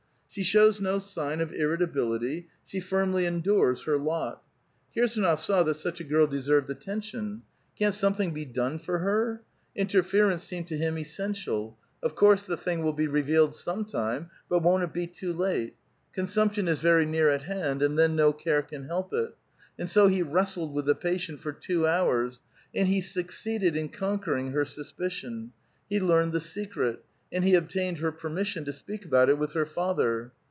She shows no sign of irritability ; she firmly endures her lot. Kirsdnof saw that such a girl deserved attention. Can't something bo 'done for her? Interference seemed to him essential; of course the thing will be revealed some time, but won't it be too late? Consumption is very near at hand, and then no care can help it. And so he wrestled with the patient for two hours ; and he succeeded in conquering her suspicion ; he learned the secret ; and he obtained her permission to speak about it with her father.